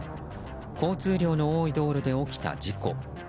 交通量の多い道路で起きた事故。